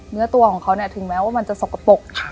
เนื้อตัวของเขาถึงแม้ว่ามันจะสกปรก